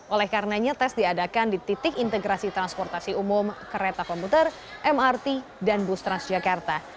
oleh karenanya tes diadakan di titik integrasi transportasi umum kereta komuter mrt dan bus transjakarta